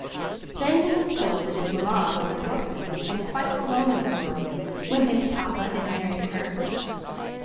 Then he was told that his mamma was an orphan, and quite alone in the world when his papa had married her.